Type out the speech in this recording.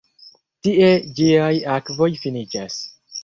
Tie ĝiaj akvoj finiĝas.